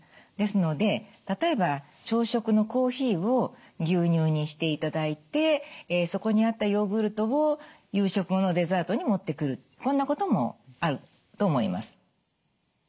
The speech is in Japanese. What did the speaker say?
ですので例えば朝食のコーヒーを牛乳にしていただいてそこにあったヨーグルトを夕食後のデザートに持ってくるこんなこともあると思います。